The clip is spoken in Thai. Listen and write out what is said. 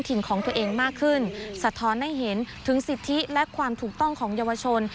ถึงสิทธิและความถูกต้องของเยาวชน